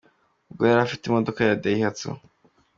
Ubwo yari afite imodoka ya Daihatsu.